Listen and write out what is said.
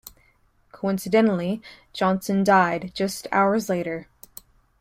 Coincidentally, Johnson died just hours later.